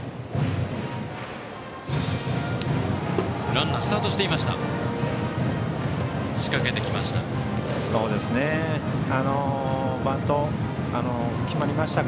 ランナー、スタートしていました。